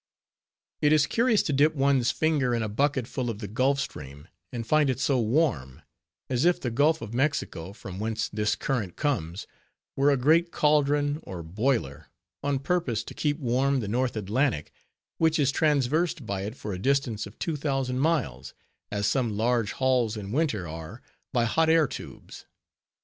It is curious to dip one's finger in a bucket full of the Gulf Stream, and find it so warm; as if the Gulf of Mexico, from whence this current comes, were a great caldron or boiler, on purpose to keep warm the North Atlantic, which is traversed by it for a distance of two thousand miles, as some large halls in winter are by hot air tubes.